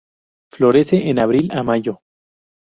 Florece en abril a mayo.